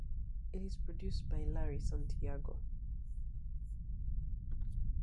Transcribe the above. It is produced by Larry Santiago.